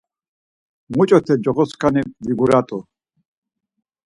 Muç̌ote coxo skani vigurat̆u.